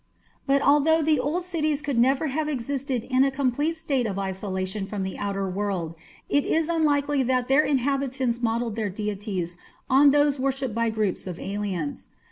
But although the old cities could never have existed in a complete state of isolation from the outer world, it is unlikely that their inhabitants modelled their deities on those worshipped by groups of aliens.